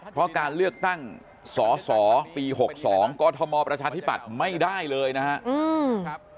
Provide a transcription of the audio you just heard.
เพราะการเลือกตั้งสสปี๖๒กรทมประชาธิปัตย์ไม่ได้เลยนะครับ